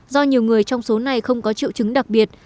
do nhiều người trong số này không có triệu chứng đặc biệt